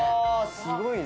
すごいね。